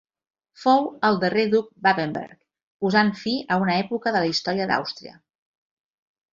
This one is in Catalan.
Fou el darrer duc Babenberg, posant fi a una època de la història d'Àustria.